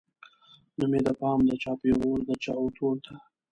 نه مې پام د چا پیغور د چا وتور ته